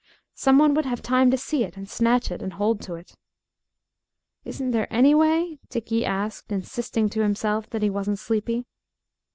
Some one would have time to see it and snatch it and hold to it." "Isn't there any way?" Dickie asked, insisting to himself that he wasn't sleepy.